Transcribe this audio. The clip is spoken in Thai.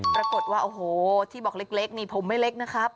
ปรากฏว่าโอ้โหที่บอกเล็กนี่ผมไม่เล็กนะครับ